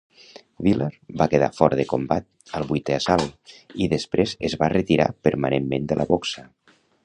Willard va quedar fora de combat al vuitè assalt, i després es va retirar permanentment de la boxa.